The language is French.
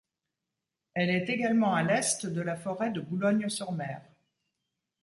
Elle est également à l'est de la forêt de Boulogne-sur-Mer.